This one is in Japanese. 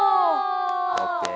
オッケー。